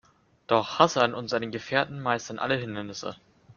Doch Hassan und seine Gefährten meistern alle Hindernisse.